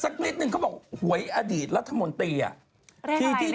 สักนิดนึงเขาบอกหวยอดีตรัฐมนตรี